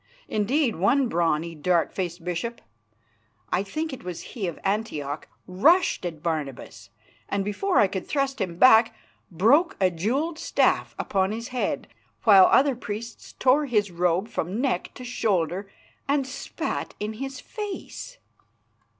Indeed, one brawny, dark faced bishop I think it was he of Antioch rushed at Barnabas, and before I could thrust him back, broke a jewelled staff upon his head, while other priests tore his robe from neck to shoulder and spat in his face.